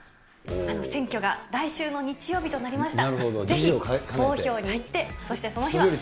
選挙が来週の日曜日となりました。